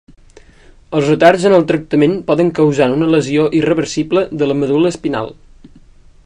Els retards en el tractament poden causar una lesió irreversible de la medul·la espinal.